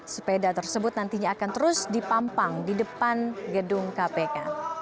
sepeda tersebut nantinya akan terus dipampang di depan gedung kpk